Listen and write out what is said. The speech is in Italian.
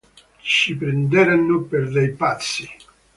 Ci prenderanno per dei pazzi!